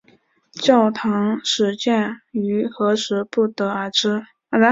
教堂始建于何时不得而知。